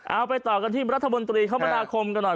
เอาไปต่อกันที่รัฐมนตรีคมนาคมกันหน่อย